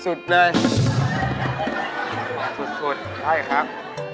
สุดใช่ครับ